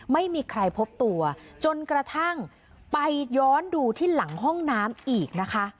ไม่มีใครพบตัวจนกระทั่งไปย้อนดูที่หลังห้องน้ำอีกนะคะ